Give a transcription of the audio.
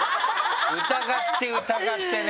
疑って疑ってね